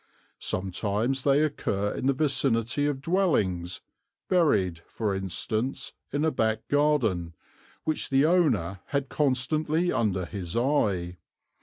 Sometimes they occur in the vicinity of dwellings, buried for instance in a back garden, which the owner had constantly under his eye.